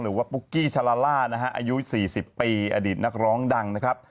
หรือว่าปุ๊กกี้ชาลาร่าอายุ๔๐ปีอดิตนักร้องดั่งนะครับ